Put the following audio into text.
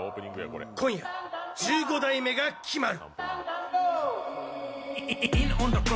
今夜、１５代目が決まる！